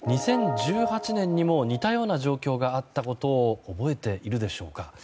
２０１８年にも似たような状況があったことを覚えているでしょうか。